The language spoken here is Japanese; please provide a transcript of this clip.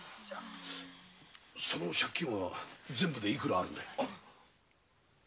その借金は全部で幾らあるんだい。